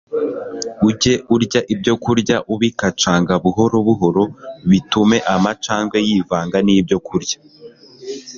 ujye urya ibyokurya ubikacanga buhoro buhoro, bitume amacandwe yivanga n'ibyokurya